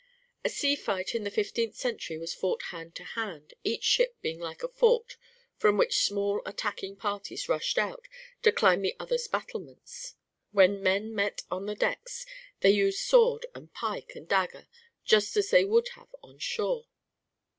A sea fight in the fifteenth century was fought hand to hand, each ship being like a fort from which small attacking parties rushed out to climb the other's battlements. When men met on the decks they used sword and pike and dagger just as they would have on shore.